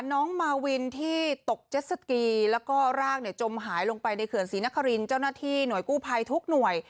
น้องมาวินที่ตกเจ็ดสกีแล้วก็ร่างจมหายลงไปในเขื่อนศรีนครินเจ้าหน้าที่หน่วยกู้ภัยทุกหน่วย